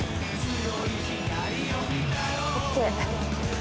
ＯＫ。